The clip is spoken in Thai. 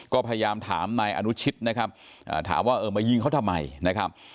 ก็พยายามถามนายอนุชิตนะครับถามว่าเออมายิงเขาทำไมนะครับ